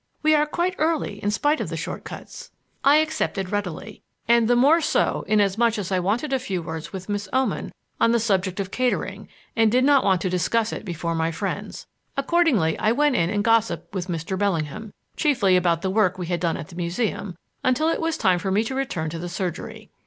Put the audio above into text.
We are quite early in spite of the short cuts." I accepted readily, and the more so inasmuch as I wanted a few words with Miss Oman on the subject of catering and did not want to discuss it before my friends. Accordingly I went in and gossiped with Mr. Bellingham, chiefly about the work we had done at the Museum, until it was time for me to return to the surgery.